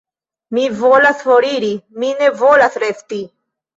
Mi volas foriri, mi ne volas resti.